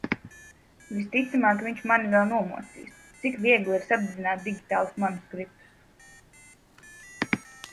Visticamāk viņš mani vēl nomocīs. Cik viegli ir sadedzināt digitālus manuskriptus...